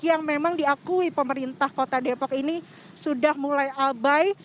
yang memang diakui pemerintah kota depok ini sudah mulai abai